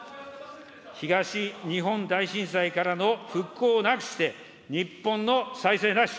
東日本大震災からの復興なくして、日本の再生なし。